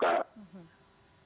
kita masih terbuka